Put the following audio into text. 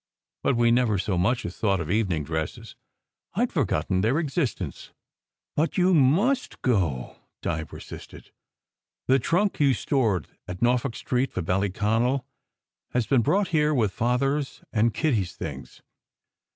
But we never so much as thought of evening dresses. I d forgotten their existence !" "But you must go," Di persisted. "The trunk you stored at Norfolk Street for Ballyconal has been brought here with Father s and Kitty s things.